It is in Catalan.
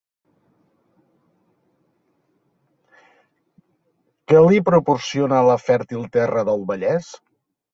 Què li proporciona la fèrtil terra del Vallès?